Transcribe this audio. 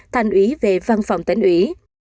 thanh ủy về văn phòng tỉnh ủy